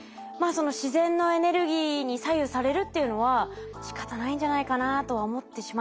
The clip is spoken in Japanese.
その自然のエネルギーに左右されるっていうのはしかたないんじゃないかなとは思ってしまいますけどね。